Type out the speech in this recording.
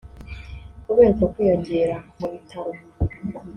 Kubera uko kwiyongera mu bitaro